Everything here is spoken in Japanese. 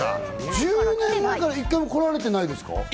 １０年前から１回も来られてないですか？